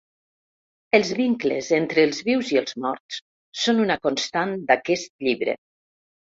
Els vincles entre els vius i els morts són una constant d’aquest llibre.